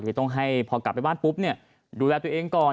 ต้องให้พอกลับไปบ้านปุ๊บเนี่ยดูแลตัวเองก่อน